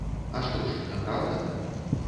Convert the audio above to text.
А што ж, няпраўда?